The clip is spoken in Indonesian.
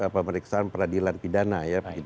pemeriksaan peradilan pidana